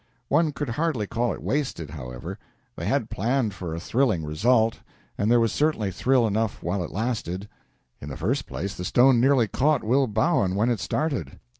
One could hardly call it wasted, however; they had planned for a thrilling result, and there was certainly thrill enough while it lasted. In the first place the stone nearly caught Will Bowen when it started.